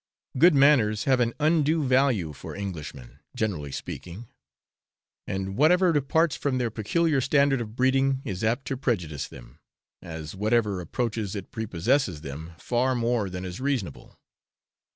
Good manners have an undue value for Englishmen, generally speaking; and whatever departs from their peculiar standard of breeding is apt to prejudice them, as whatever approaches it prepossesses them, far more than is reasonable.